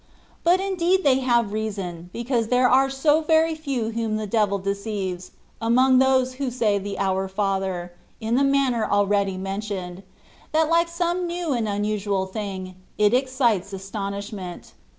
But indeed they have reason, because there are so very few whom the devil deceives, among those who say the " Our Father,'' in the manner already mentioned, that Uke some new and unusual thing, it excites astonishment.